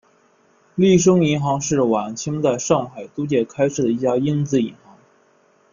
利升银行是晚清在上海租界开设的一家英资银行。